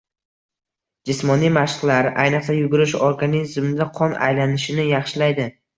Jismoniy mashqlar, ayniqsa yugurish organizmda qon aylanishini yaxshilaydi.